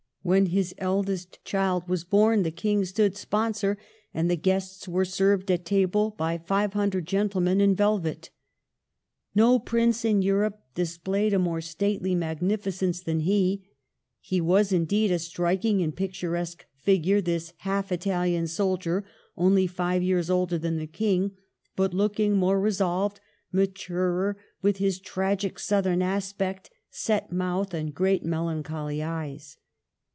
When his eldest child was born the 5 66 MARGARET OF ANGOUL^ME. King stood sponsor, and the guests were served at table by five hundred gentlemen in velvet. No prince in Europe displayed a more stately magnificence than he. He was, indeed, a strik ing and picturesque figure, this half Itahan sol dier, only five years older than the King, but looking more resolved, maturer, with his tragic Southern aspect, set mouth, and great melan choly eyes.